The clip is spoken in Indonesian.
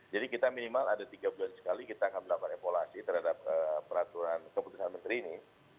jadi kita minimal ada tiga bulan sekali kita akan melakukan evaluasi terhadap peraturan keputusan menteri ini